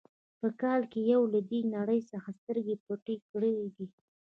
په کال کې یې له دې نړۍ څخه سترګې پټې کړې دي.